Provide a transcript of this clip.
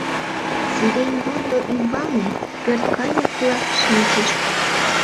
Сирень вондо ӱмбалне пӧрткайык-влак шинчышт.